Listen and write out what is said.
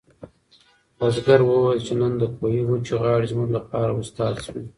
بزګر وویل چې نن د کوهي وچې غاړې زموږ لپاره استاد شوې.